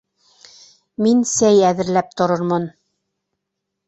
Мин сәй әҙерләп торормон.